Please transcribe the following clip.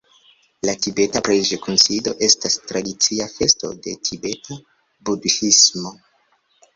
La tibeta preĝ-kunsido estas tradicia festo de tibeta budhismo.